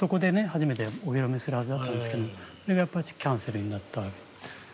初めてお披露目するはずだったんですけどそれがやっぱりキャンセルになったわけ。